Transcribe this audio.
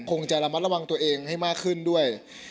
คงจะระมัดระวังตัวเองให้มากขึ้นด้วย